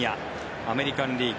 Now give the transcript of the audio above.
アメリカン・リーグ